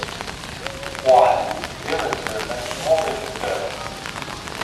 Why, there is Herman Morgenstern.